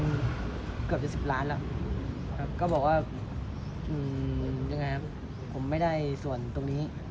เพลงเกือบจะสิบล้านแล้วก็บอกว่าอย่างไรครับผมไม่ได้ส่วนตรงนี้